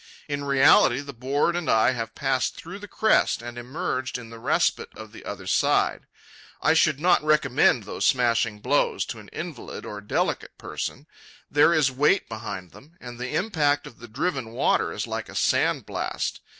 In reality the board and I have passed through the crest and emerged in the respite of the other side. I should not recommend those smashing blows to an invalid or delicate person. There is weight behind them, and the impact of the driven water is like a sandblast.